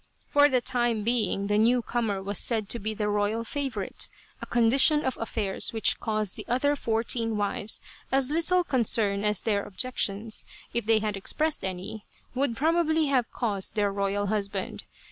For the time being the new comer was said to be the royal favorite, a condition of affairs which caused the other fourteen wives as little concern as their objections, if they had expressed any, would probably have caused their royal husband.